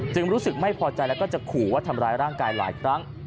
รู้สึกไม่พอใจแล้วก็จะขู่ว่าทำร้ายร่างกายหลายครั้ง